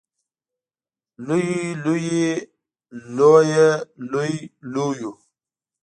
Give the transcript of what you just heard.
لوی لویې لويه لوې لويو